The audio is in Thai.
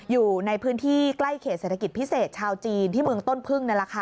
อยู่ในพื้นที่ใกล้เขตเศรษฐกิจพิเศษชาวจีนที่เมืองต้นพึ่งนั่นแหละค่ะ